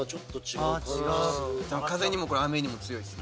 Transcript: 風にも雨にも強いっすね。